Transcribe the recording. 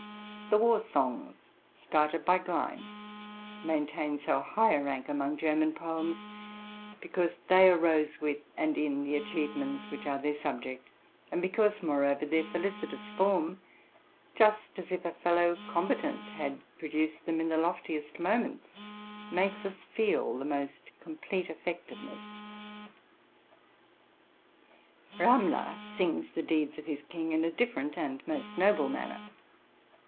The war songs started by Gleim maintain so high a rank among German poems, because they arose with and in the achievements which are their subject ; and because, moreover, their felicitous form, just asif a fellow combatant had pro duced them in the loftiest moments, makes us feel the most complete effectiveness. Ramler sings the deeds of his king in a different and most noble manner.